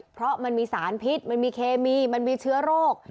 เพราะมันมีสารพิษมันมีเคมีมันมีเชื้อโรค